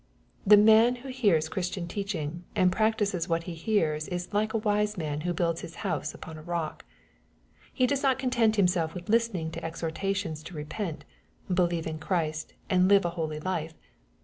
The man who hears Christian teaching^ and practices what he hears, is like ^[ a wise man who builds his house upon a rock.'' He does not content himself with listening to exhortations to repent^ believe in Christ, and live a holy life.